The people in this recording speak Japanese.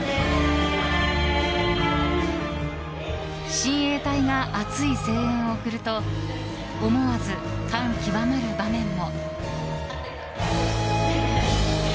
親衛隊が熱い声援を送ると思わず感極まる場面も。